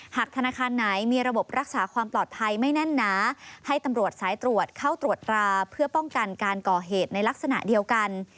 หากธนาคารไหนมีระบบรักษาความปลอดภัยไม่แน่นหนาให้ตำรวจสายตรวจเข้าตรวจตราเพื่อป้องกันการก่อเหตุในลักษณะเดียวกัน